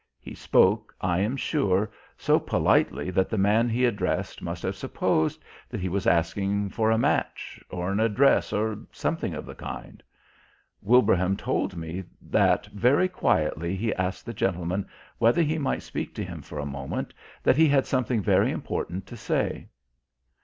He spoke, I am sure, so politely that the man he addressed must have supposed that he was asking for a match, or an address, or something of the kind. Wilbraham told me that very quietly he asked the gentleman whether he might speak to him for a moment, that he had something very important to say.